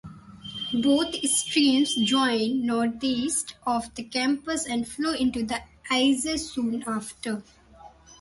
Both streams join northeast of the campus and flow into the Isar soon after.